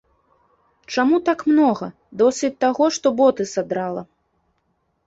Чаму так многа, досыць таго, што боты садрала.